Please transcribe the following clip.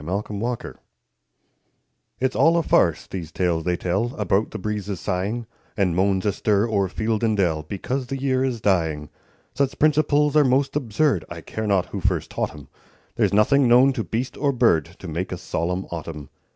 MERRY AUTUMN It's all a farce, these tales they tell About the breezes sighing, And moans astir o'er field and dell, Because the year is dying. Such principles are most absurd, I care not who first taught 'em; There's nothing known to beast or bird To make a solemn autumn.